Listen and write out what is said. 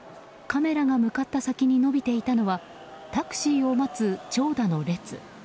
カメラが向かった先に延びていたのはタクシーを待つ長蛇の列。